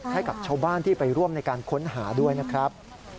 ให้กับชาวบ้านที่ไปร่วมในการค้นหาด้วยนะครับ